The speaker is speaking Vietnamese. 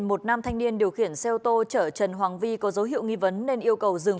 một nam thanh niên điều khiển xe ô tô chở trần hoàng vi có dấu hiệu nghi vấn nên yêu cầu dừng